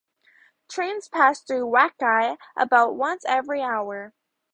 Trains pass through Wachi about once every hour.